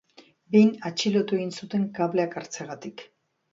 Behin atxilotu egin zuten kableak hartzeagatik.